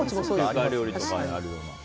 中華料理とかにあるような。